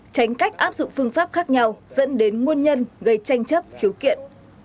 tránh cách áp dụng phương pháp khác nhau dẫn đến nguồn nhân gây tranh chấp khiếu kiện